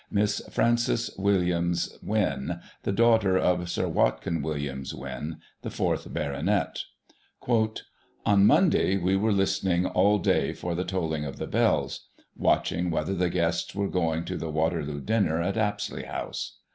Miss Frances Williams Wynn, the daughter of Sir Watkin Williams Wynn (the fourth baronet) : "On Monday we were listening all day for the tolling of the bells, watching whether the guests were going to the Waterloo dinner at Apsley House.